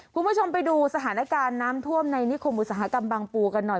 คุณผู้ชมไปดูสถานการณ์น้ำท่วมในนิคมอุตสาหกรรมบางปูกันหน่อย